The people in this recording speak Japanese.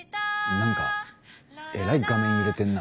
何かえらい画面揺れてんな。